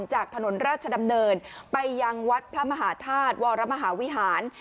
จากถนนราชดำเนินไปยังวัดพระมหาธาตุวรมหาวิหาร